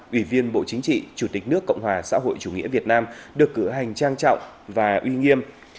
ủy viên bộ chính trị chủ tịch nước cộng hòa xã hội chủ nghĩa việt nam được cử hành trang trọng và uy nghiêm